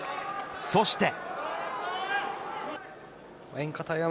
そして。